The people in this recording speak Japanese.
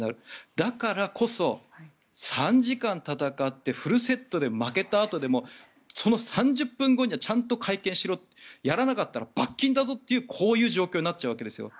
だからこそ３時間戦ってフルセットで負けたあとでもその３０分後にはちゃんと会見しろやらなかったら罰金だぞという状況になっちゃうわけですよ。